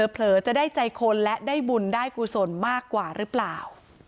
เผลอจะได้ใจคนและได้บุญได้กุศลมากกว่าหรือเปล่า